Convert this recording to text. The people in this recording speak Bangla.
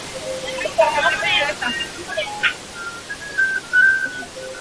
তিনি চীরস্মরণীয় হয়ে রয়েছেন।